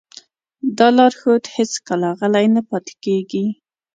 دا لارښود هېڅکله غلی نه پاتې کېږي.